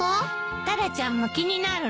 タラちゃんも気になるの？